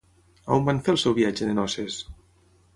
On van fer el seu viatge de noces?